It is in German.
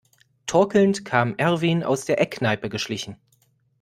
Torkelnd kam Erwin aus der Eckkneipe geschlichen.